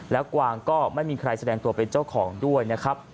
แล้วกวางก็ไม่มีใครแสดงตัวเป็นเจ้าของด้วยนะครับ